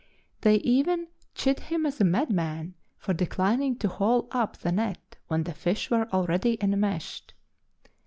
They even "chid him as a mad man, for declining to haul up the net when the fish were already enmeshed."